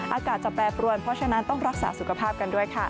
อากาศจะแปรปรวนเพราะฉะนั้นต้องรักษาสุขภาพกันด้วยค่ะ